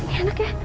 ih enak ya